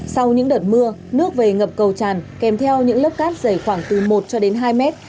sau những đợt mưa nước về ngập cầu tràn kèm theo những lớp cắt dày khoảng từ một hai mét